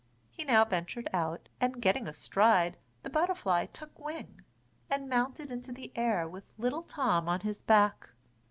He now ventured out, and getting astride, the butterfly took wing, and mounted into the air with little Tom on his back.